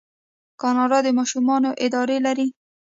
کاناډا د ماشومانو اداره لري.